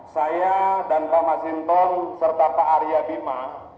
saya dan pak masinton serta pak arya bima